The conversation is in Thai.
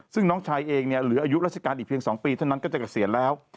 ซึ่งน้องชายเองเนี่ยเหลืออายุราชการอีกเพียง๒ปีเท่านั้นก็จะเกษียณแล้ว